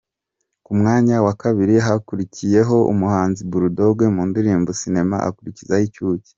Ku mwanya wa kabiri hakurikiyeho umuhanzi Bull Dog mu ndirimbo Sinema akurikizaho Icyucyi.